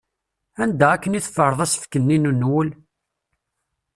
Anda akken i teffreḍ asefk-nni n nuwel?